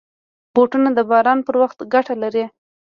بوټونه د باران پر وخت ګټه لري.